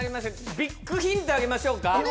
ビッグヒントあげましょうか。